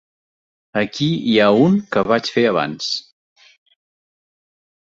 Aquí hi ha un que vaig fer abans!